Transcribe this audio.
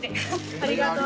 ありがとう。